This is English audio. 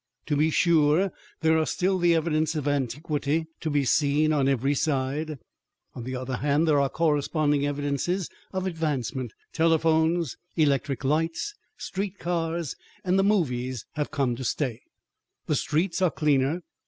To be sure, there are still the evidences of antiquity to be seen on every side; on the other hand there are corresponding evidences of advancement. Telephones, electric lights, street cars, and the "movies" have come to stay. The streets are cleaner.